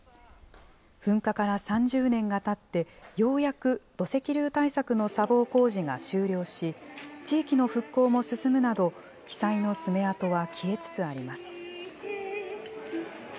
噴火から３０年がたって、ようやく土石流対策の砂防工事が終了し、地域の復興も進むなど、被災の爪痕は消えつつあります。